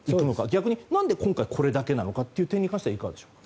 逆に何で今回これだけなのかということに関してはいかがでしょう。